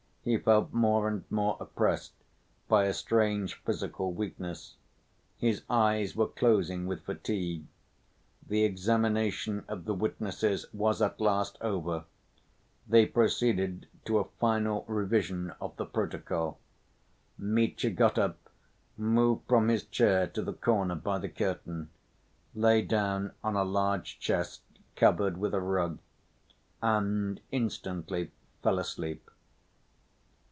He felt more and more oppressed by a strange physical weakness. His eyes were closing with fatigue. The examination of the witnesses was, at last, over. They proceeded to a final revision of the protocol. Mitya got up, moved from his chair to the corner by the curtain, lay down on a large chest covered with a rug, and instantly fell asleep.